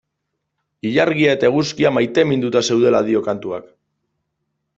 Ilargia eta eguzkia maiteminduta zeudela dio kantuak.